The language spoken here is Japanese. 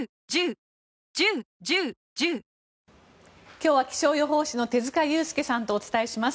今日は気象予報士の手塚悠介さんとお伝えします。